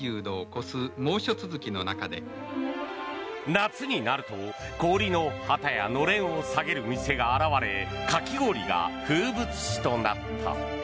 夏になると氷の旗やのれんを下げる店が現れかき氷が風物詩となった。